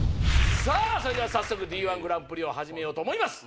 それでは早速Ｄ−１グランプリ始めようと思います。